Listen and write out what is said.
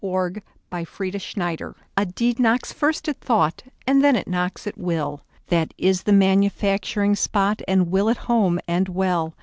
Part One: Life LXVII A DEED knocks first at thought, And then it knocks at will. That is the manufacturing spot, And will at home and well.